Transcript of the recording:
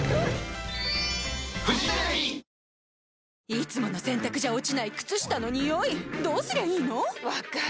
いつもの洗たくじゃ落ちない靴下のニオイどうすりゃいいの⁉分かる。